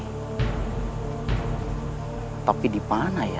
hai tapi dipanah ya